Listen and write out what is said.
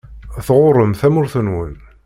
Tɣuṛṛem tamurt-nwen.